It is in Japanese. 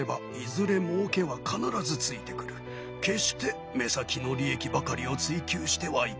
決して目先の利益ばかりを追求してはいけないよ。